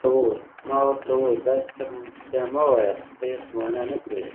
ما ورته وویل: داسې څه بیا مه وایه، ته یې په معنا نه پوهېږې.